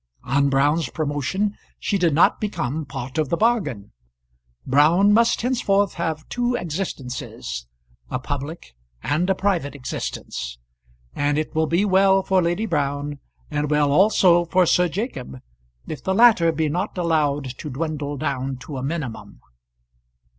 On Brown's promotion she did not become part of the bargain. Brown must henceforth have two existences a public and a private existence; and it will be well for Lady Brown, and well also for Sir Jacob, if the latter be not allowed to dwindle down to a minimum.